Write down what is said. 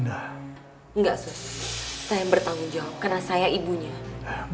enggak sus saya yang bertanggung jawab karena saya ibunya